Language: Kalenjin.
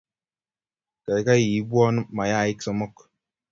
Kaikai ipwon mayaik somok